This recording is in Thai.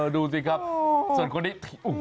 ดูสิครับส่วนคนนี้